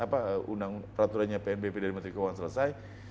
apa raturannya pnbp dari menteri keuangan selesai